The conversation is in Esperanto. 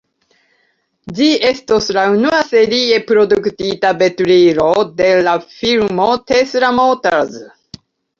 Ĝi estos la unua serie produktita veturilo de la firmo Tesla Motors.